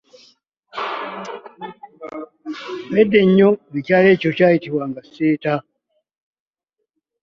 Edda ennyo ekyalo ekyo kyayitibwanga Seeta.